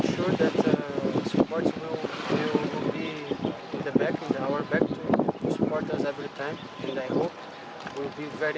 mari kita pastikan support akan berada di belakang di belakang kita untuk menonton kita setiap kali